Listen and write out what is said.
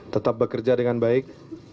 tetap bekerja dengan baik